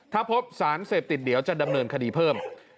ถ้าพบสารเสพติดเดี๋ยวจะดำเนินคดีเพิ่ม